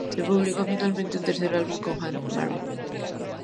Se publicó finalmente un tercer álbum con Hank Marvin.